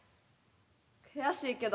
悔しいけど。